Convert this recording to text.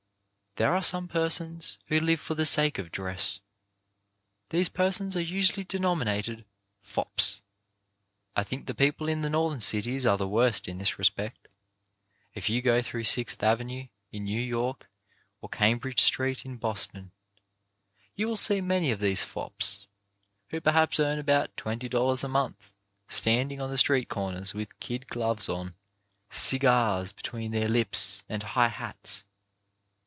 There are some persons who live for the sake of dress. These persons are usually denominated "fops. " I think the people in the Northern cities are the worst in this respect. If you go through Sixth Avenue, in New York, or Cam bridge Street, in Boston, you will see many of these fops, who perhaps earn about twenty dollars a month, standing on the street corners with kid CHARACTER AS SHOWN IN DRESS 247 gloves on, cigars between their lips, and high hats.